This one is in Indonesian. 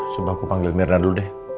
coba aku panggil mirna dulu deh